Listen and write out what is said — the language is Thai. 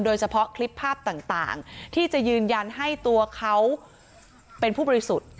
โดยเฉพาะคลิปภาพต่างที่จะยืนยันให้ตัวเขาเป็นผู้บริสุทธิ์